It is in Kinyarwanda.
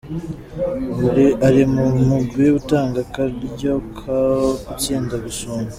Ari mu mugwi utanga akaryo ko gutsinda gusumba.